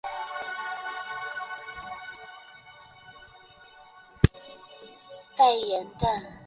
腺毛委陵菜是蔷薇科委陵菜属的多年生草本植物。